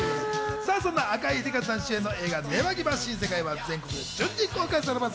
そんな赤井英和さん主演の映画『ねばぎば新世界』は全国で順次公開されます。